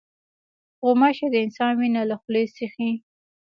غوماشې د انسان وینه له خولې څښي.